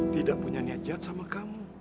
tidak punya niat jahat sama kamu